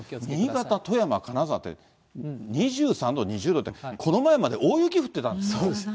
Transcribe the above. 新潟、富山、金沢って、２３度、２０度って、この前まで大雪そうです。